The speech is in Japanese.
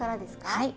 はい。